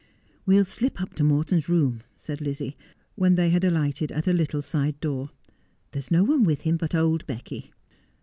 ' We'll slip up to Morton's room,' said Lizzie, when they had alighted at a little side door. ' There is no one with him but old Becky.'